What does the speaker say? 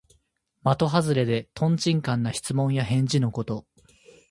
まとはずれで、とんちんかんな質問や返事のこと。